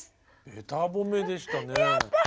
べた褒めでしたね。